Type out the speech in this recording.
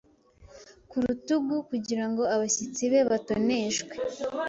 ku rutugu kugirango abashyitsi be batoneshwe.